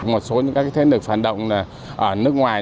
một số các thế lực phản động ở nước ngoài